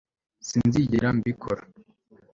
Sinzigera mbikora